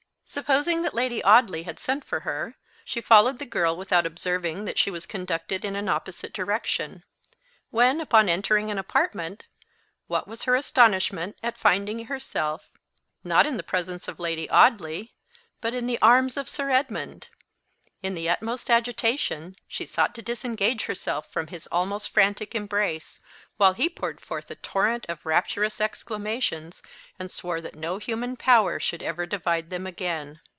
Supposing that Lady Audley had sent for her, she followed the girl without observing that she was conducted in an opposite direction; when, upon entering an apartment, what was her astonishment at finding herself, not in the presence of Lady Audley, but in the arms of Sir Edmund! In the utmost agitation, she sought to disengage herself from his almost frantic embrace; while he poured forth a torrent of rapturous exclamations, and swore that no human power should ever divide them again.